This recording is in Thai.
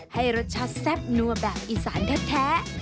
ให้รสชาติแซ่บนัวแบบอีสานแท้